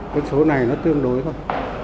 cái số này nó tương đối thôi